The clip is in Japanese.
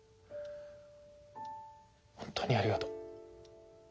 本当にありがとう。